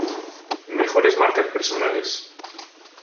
Mejores marcas personales